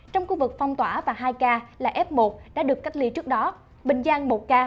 trong khu vực phong tỏa và hai ca là f một đã được cách ly trước đó bình giang một ca